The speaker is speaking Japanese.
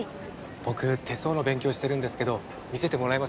僕手相の勉強をしてるんですけど見せてもらえませんか？